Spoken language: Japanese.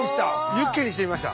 ユッケにしてみました。